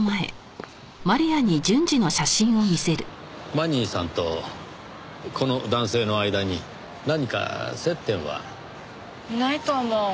マニーさんとこの男性の間に何か接点は？ないと思う。